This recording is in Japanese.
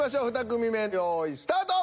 ２組目用意スタート！